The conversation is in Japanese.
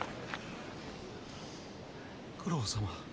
九郎様。